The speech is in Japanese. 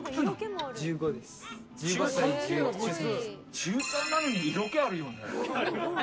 中３なのに色気あるよね。